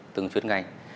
từng chuyên ngành